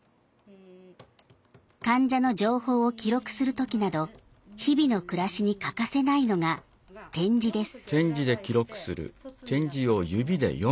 患者の情報を記録するときなど日々の暮らしに欠かせないのが点字です。